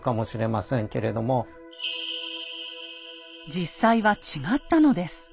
実際は違ったのです。